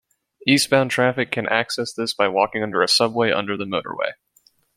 Eastbound traffic can access this by walking under a subway under the motorway.